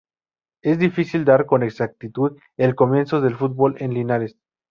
Es difícil datar con exactitud el comienzo del fútbol en Linares.